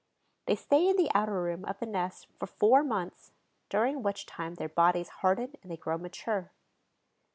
They stay in the outer room of the nest for four months, during which time their bodies harden and they grow mature.